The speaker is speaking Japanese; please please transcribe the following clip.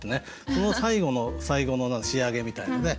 その最後の最後の仕上げみたいなね。